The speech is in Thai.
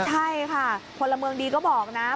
ใช่ค่ะพลเมืองดีก็บอกนะ